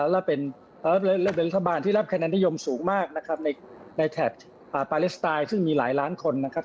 และเป็นรัฐบาลที่รับคะแนนนิยมสูงมากนะครับในแถบปาเลสไตน์ซึ่งมีหลายล้านคนนะครับ